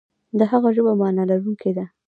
د هغه ژبه معنا لرونکې ده.